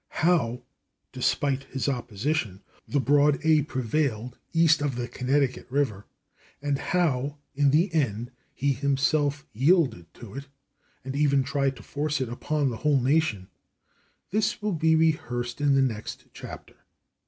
How, despite his opposition, the broad /a/ prevailed East of the Connecticut river, and how, in the end, he himself yielded to it, and even tried to force it upon the whole nation this will be rehearsed in the next chapter.